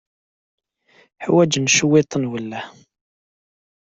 Ḥwajen cwiṭ n uwelleh.